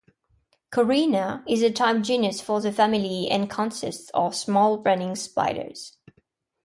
"Corinna" is the type genus for the family and consists of small running spiders.